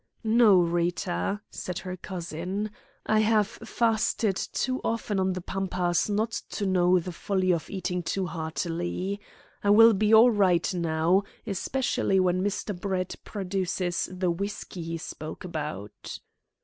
"No, Rita," said her cousin; "I have fasted too often on the Pampas not to know the folly of eating too heartily. I will be all right now, especially when Mr. Brett produces the whisky he spoke about."